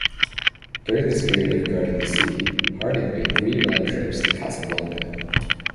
During this period of guarding the sea "Harding" made three round trips to Casablanca.